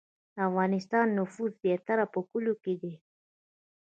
د افغانستان نفوس زیاتره په کلیو کې دی